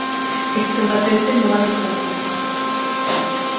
Ex combatente no bando franquista.